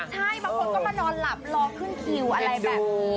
ใช่บางคนก็มานอนหลับรอขึ้นคิวอะไรแบบนี้